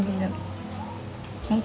supaya mami enak